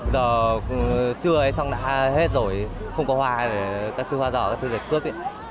giờ trưa xong đã hết rồi không có hoa các thứ hoa giò các thứ để cướp